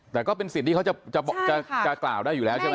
แต่ก็เป็นสิทธิ์ที่เขาจะกล่าวได้อยู่แล้วใช่ไหม